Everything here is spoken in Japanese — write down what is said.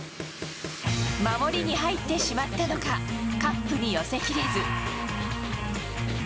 守りに入ってしまったのか、カップに寄せ切れず。